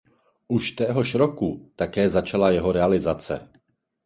Už téhož roku také začala jeho realizace.